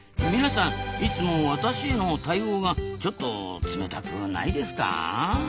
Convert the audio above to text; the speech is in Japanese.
皆さんいつも私への対応がちょっと冷たくないですか？